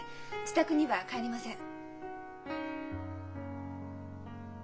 自宅には帰りません。